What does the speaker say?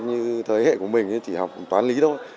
như thế hệ của mình chỉ học toán lý thôi